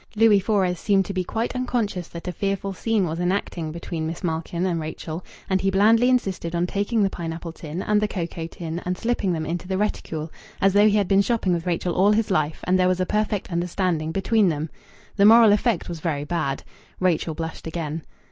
Louis Fores seemed to be quite unconscious that a fearful scene was enacting between Miss Malkin and Rachel, and he blandly insisted on taking the pineapple tin and the cocoa tin and slipping them into the reticule, as though he had been shopping with Rachel all his life and there was a perfect understanding between them. The moral effect was very bad. Rachel blushed again.